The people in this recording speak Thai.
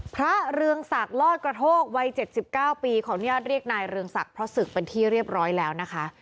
พระเรืองศักดิ์ลอดกระโทกวัย๗๙ปีขออนุญาตเรียกนายเรืองศักดิ์เพราะศึกเป็นที่เรียบร้อยแล้วนะคะ